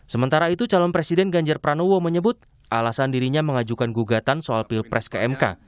sementara itu calon presiden ganjar pranowo menyebut alasan dirinya mengajukan gugatan soal pilpres ke mk